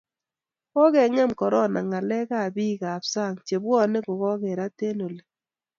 kokongem corona ngalek ab bik ab sang chebwane kokerat eng oli